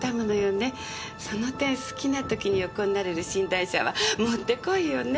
その点好きな時に横になれる寝台車はもってこいよね。